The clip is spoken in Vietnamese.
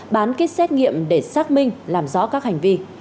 bán kết xét nghiệm để xác minh làm rõ các hành vi